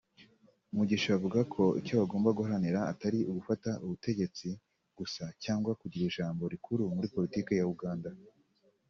Mugisha avuga ko icyo bagomba guharanira Atari ugufata ubutegetsi gusa cyangwa kugira ijambo rikuru muri politiki ya Uganda